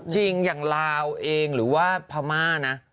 จริงอย่างลาวเองหรือว่าพม่านะ